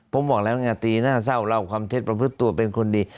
ผมบอกแล้วไงตีน่าเศร้าเล่าความเท็จประพฤติตัวเป็นคนดี